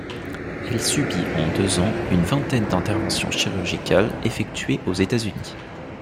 Elle subit en deux ans une vingtaine d'interventions chirurgicales effectuées aux États-Unis.